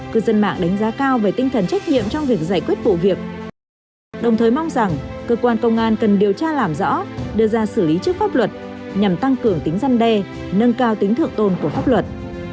cư dân mạng đánh giá cao về tinh thần trách nhiệm trong việc giải quyết vụ việc đồng thời mong rằng cơ quan công an cần điều tra làm rõ đưa ra xử lý trước pháp luật nhằm tăng cường tính gian đe nâng cao tính thượng tôn của pháp luật